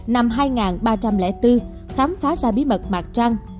năm hai nghìn ba trăm linh bốn khám phá ra bí mật trăng